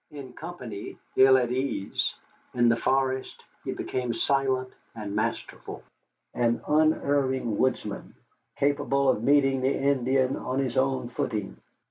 In company ill at ease, in the forest he became silent and masterful an unerring woodsman, capable of meeting the Indian on his own footing.